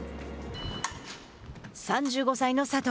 ３５歳の佐藤。